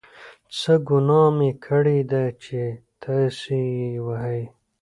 څه ګناه مې کړې ده چې تاسې یې وهئ.